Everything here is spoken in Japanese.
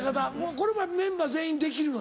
これもメンバー全員できるの？